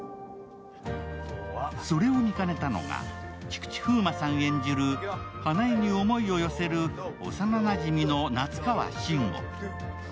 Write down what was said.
それを見かねたのが、菊池風磨さん演じる花枝に思いを寄せる幼なじみの夏川慎吾。